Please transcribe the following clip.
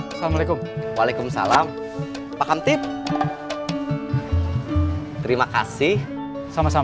assalamualaikum waalaikumsalam pakam tip terima kasih sama sama